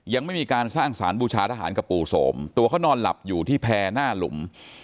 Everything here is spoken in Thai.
ยังไม่มีการสร้างสารบูชาทหารกับปู่โสมตัวเขานอนหลับอยู่ที่แพร่หน้าหลุม